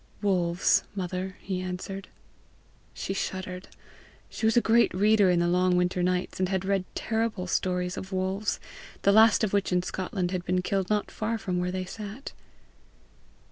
"Wolves, mother," he answered. She shuddered. She was a great reader in the long winter nights, and had read terrible stories of wolves the last of which in Scotland had been killed not far from where they sat.